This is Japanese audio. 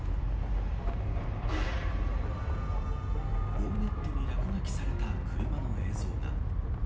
ボンネットに落書きされた車の映像が。